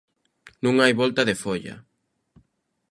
Non hai volta de folla.